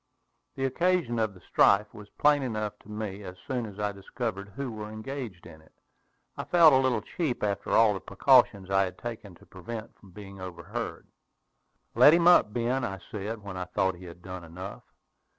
The occasion of the strife was plain enough to me as soon as I discovered who were engaged in it. I felt a little cheap after all the precautions I had taken to prevent being overheard. "Let him up, Ben," I said, when I thought he had done enough.